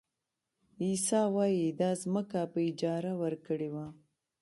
عیسی وایي دا ځمکه په اجاره ورکړې وه.